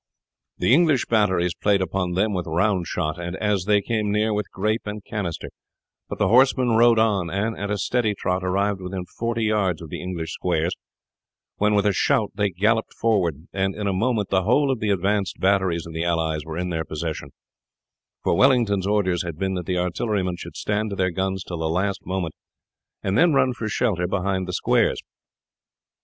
The English batteries played upon them with round shot, and, as they came near, with grape and canister; but the horsemen rode on, and at a steady trot arrived within forty yards of the English squares, when with a shout they galloped forward, and in a moment the whole of the advanced batteries of the allies were in their possession; for Wellington's orders had been that the artillerymen should stand to their guns till the last moment, and then run for shelter behind the squares.